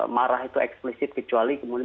marah itu eksplisit kecuali kemudian